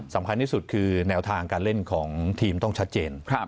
สำคัญที่สุดคือแนวทางการเล่นของทีมต้องชัดเจน